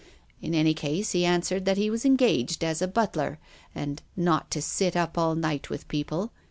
In any case he answered that he was engaged as a butler, and not to sit up all night with people.